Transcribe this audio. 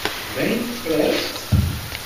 Dayen tefriḍ-tt?